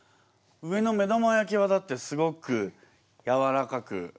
上の目玉焼きはだってすごくやわらかく。